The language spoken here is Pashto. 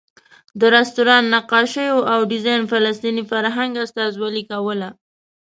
د رسټورانټ نقاشیو او ډیزاین فلسطیني فرهنګ استازولې کوله.